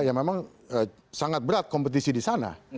ya memang sangat berat kompetisi di sana